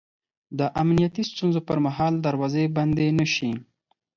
د امنیتي ستونزو پر مهال دروازې بندې نه شي